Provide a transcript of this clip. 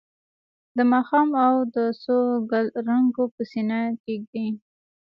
د ماښام د څو ګلرنګو پر سینه ږدي